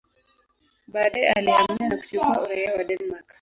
Baadaye alihamia na kuchukua uraia wa Denmark.